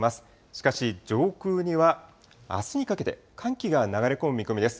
しかし、上空にはあすにかけて、寒気が流れ込む見込みです。